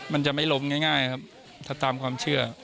มันจะไม่ล้มง่ายครับถ้าตามความเชื่อ